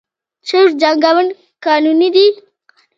چرګ جنګول قانوني دي؟